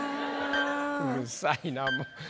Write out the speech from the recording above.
うるさいなもう。